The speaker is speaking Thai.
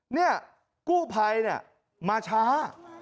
นี่กู้ภัยมาช้า